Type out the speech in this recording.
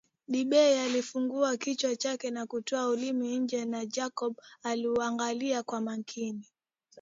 Debby alifungua kinywa chake na kutoa ulimi nje na Jacob aliuangalia kwa makini